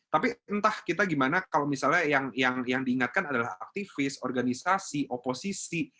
tapi entah kita gimana kalau misalnya yang diingatkan adalah aktivis organisasi oposisi